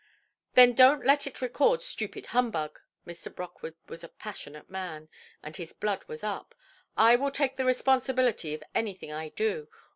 "Then donʼt let it record stupid humbug"! Mr. Brockwood was a passionate man, and his blood was up. "I will take the responsibility of anything I do.